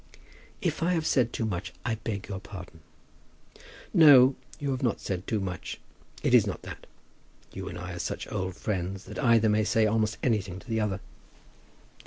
"If I have said too much I beg your pardon." "No; you have not said too much. It is not that. You and I are such old friends that either may say almost anything to the other."